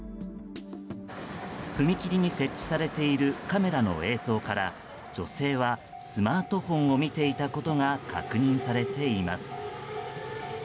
踏切に設置されているカメラの映像から女性はスマートフォンを見ていたことが確認されています。